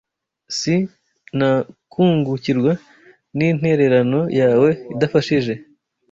Si Nakungukirwa nintererano yawe idafashije